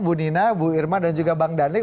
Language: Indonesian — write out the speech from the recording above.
bu nina bu irma dan juga bang dhani